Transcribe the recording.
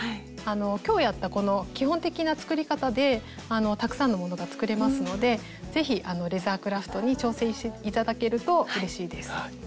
今日やったこの基本的な作り方でたくさんのものが作れますので是非レザークラフトに挑戦して頂けるとうれしいです。